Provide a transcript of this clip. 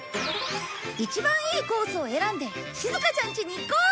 一番いいコースを選んでしずかちゃんちに行こう！